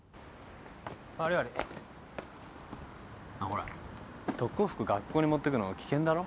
ほら特攻服学校に持ってくの危険だろ？